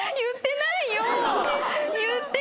言ってない！